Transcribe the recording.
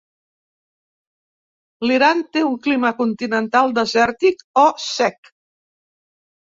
L'Iran té un clima continental desèrtic o sec.